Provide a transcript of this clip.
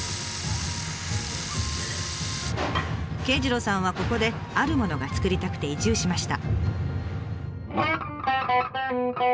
圭次郎さんはここであるものがつくりたくて移住しました。